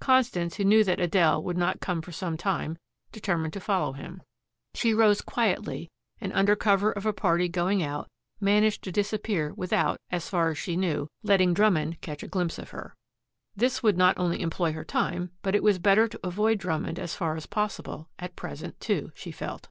Constance, who knew that Adele would not come for some time, determined to follow him. She rose quietly and, under cover of a party going out, managed to disappear without, as far as she knew, letting Drummond catch a glimpse of her. This would not only employ her time, but it was better to avoid Drummond as far as possible, at present, too, she felt.